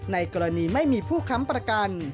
ในกรณีไม่มีผู้ค้ำประกัน